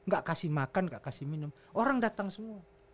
gak kasih makan gak kasih minum